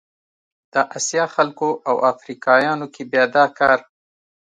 د اسیا خلکو او افریقایانو کې بیا دا کار